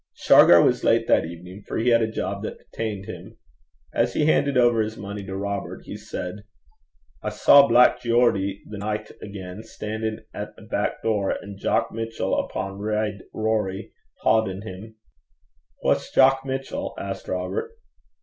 Shargar was late that evening, for he had a job that detained him. As he handed over his money to Robert, he said, 'I saw Black Geordie the nicht again, stan'in' at a back door, an' Jock Mitchell, upo' Reid Rorie, haudin' him.' 'Wha's Jock Mitchell?' asked Robert.